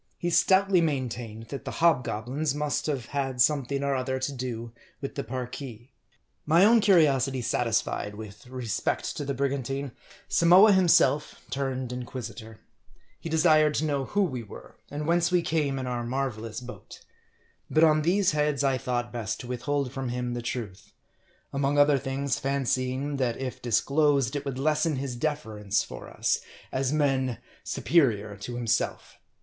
He stoutly main tained that the hobgoblins must have had something or other to do with the Parki. My own curiosity satisfied with respect to the brigan tine, Samoa himself turned inquisitor. He desired to know, who we were ; and whence we came in our marvelous boat. But on these heads I thought best to withhold from him the truth ; among other things, fancying that if disclosed, it would lessen his deference for us, as men superior to him self.